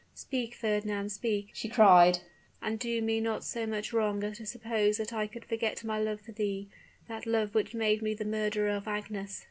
"Speak, Fernand, speak!" she cried; "and do me not so much wrong as to suppose that I could forget my love for thee that love which made me the murderer of Agnes.